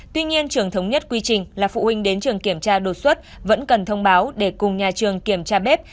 tuy nhiên trường thống nhất quy trình là phụ huynh đến trường kiểm tra đột xuất vẫn cần thông báo để cùng nhà trường kiểm tra bếp